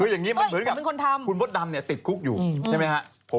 คืออย่างนี้เหมือนกับคุณพตดำติดคุกอยู่ใช่ไหมครับ